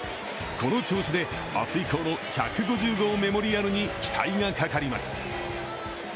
この調子で明日以降の１５０号メモリアルに期待がかかります。